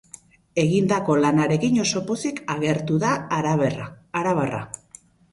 Egindako lanarekin oso pozik agertu da arabarra.